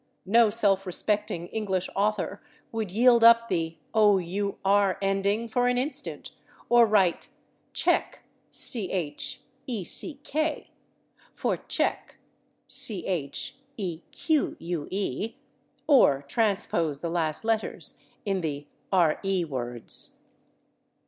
No self respecting English author would yield up the / our/ ending for an instant, or write /check/ for /cheque/, or transpose the last letters in the / re/ words.